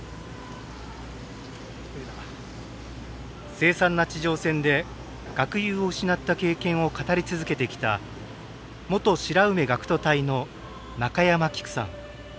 凄惨な地上戦で学友を失った経験を語り続けてきた元白梅学徒隊の中山きくさん。